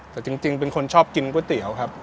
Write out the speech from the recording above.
แต่จริงเป็นคนชอบกินก๋วยเตี๋ยวครับ